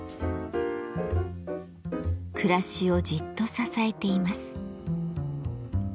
暮らしをじっと支えています。